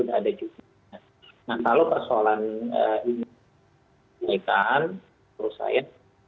kalau persoalan ini diperbaikan menurut saya